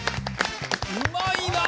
うまいな！